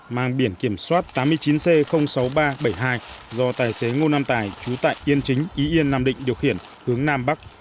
mang biển kiểm soát tám mươi chín c sáu nghìn ba trăm bảy mươi hai do tài xế ngô nam tài trú tại yên chính ý yên nam định điều khiển hướng nam bắc